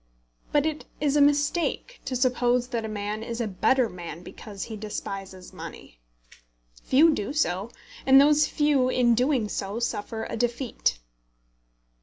But it is a mistake to suppose that a man is a better man because he despises money. Few do so, and those few in doing so suffer a defeat.